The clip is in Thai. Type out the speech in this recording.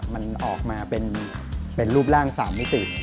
มันออกมาเป็นรูปร่าง๓มิติ